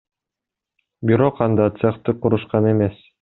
Бирок анда цехти курушкан эмес.